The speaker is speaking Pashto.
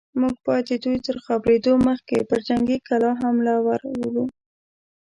موږ بايد د دوی تر خبرېدو مخکې پر جنګي کلا حمله ور وړو.